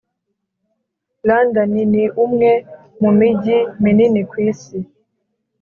london ni umwe mu mijyi minini ku isi.